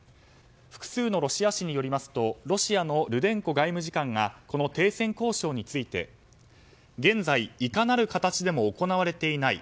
複数のロシア紙によりますとロシアのルデンコ外務次官がこの停戦交渉について現在、いかなる形でも行われていない。